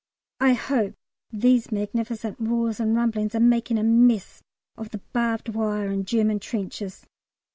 I hope these magnificent roars and rumblings are making a mess of the barbed wire and German trenches.